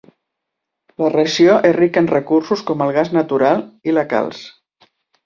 La regió és rica en recursos com el gas natural i la calç.